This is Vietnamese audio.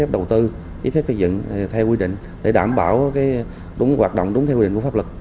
đầu tư ít phép phép dựng theo quy định để đảm bảo đúng hoạt động đúng theo quy định của pháp lực